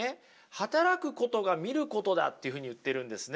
働くことが見ることだっていうふうに言ってるんですね。